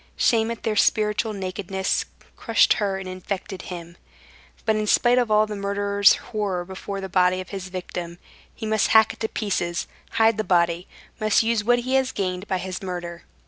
Shame at their spiritual nakedness crushed her and infected him. But in spite of all the murderer's horror before the body of his victim, he must hack it to pieces, hide the body, must use what he has gained by his murder.